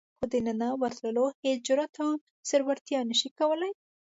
خو دننه ورتلو هېڅ جرئت او زړورتیا نشي کولای.